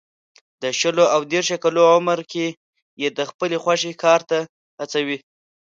د شلو او دېرشو کالو عمر کې یې د خپلې خوښې کار ته هڅوي.